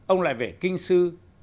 ông lại về kinh sư